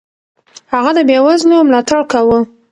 هغه د بېوزلو ملاتړ کاوه.